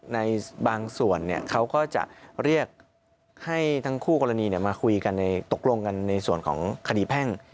ในบางส่วนเขาก็จะเรียกให้ทั้งคู่กรณีมาคุยกันในตกลงกันในส่วนของคดีแพ่ง